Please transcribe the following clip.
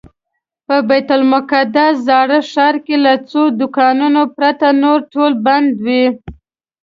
په بیت المقدس زاړه ښار کې له څو دوکانونو پرته نور ټول بند و.